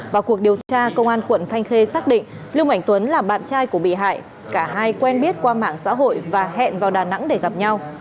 vào cuộc điều tra công an quận thanh khê xác định lung ảnh tuấn là bạn trai của bị hại cả hai quen biết qua mạng xã hội và hẹn vào đà nẵng để gặp nhau